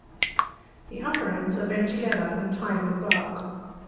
The upper ends are bent together and tied with bark.